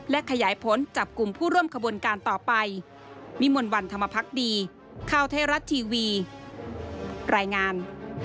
และขยายผลจับกลุ่มผู้ร่วมขบวนการต่อไปวิมวลวันธรรมพักดีข่าวไทยรัฐทีวีรายงาน